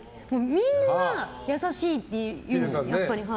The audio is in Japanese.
みんな優しいって言う、やっぱり。